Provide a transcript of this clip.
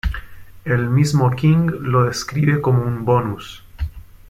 El mismo King lo describe como un bonus.